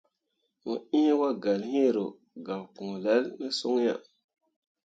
Mo ĩĩ wogalle hĩĩ ro gak pũũlil ne son ah.